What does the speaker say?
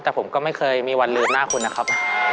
แต่ผมก็ไม่เคยมีวันลืมหน้าคุณนะครับ